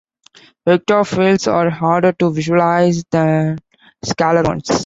Vector fields are harder to visualize than scalar ones.